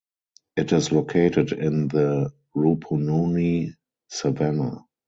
It is located in the Rupununi savannah.